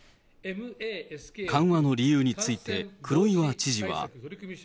緩和の理由について、黒岩知事は。